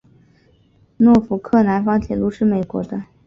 诺福克南方铁路是美国的。